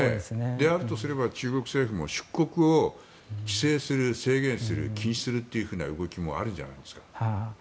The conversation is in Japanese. であるとすれば中国政府も出国を規制する、制限する禁止するという動きもあるんじゃないですか？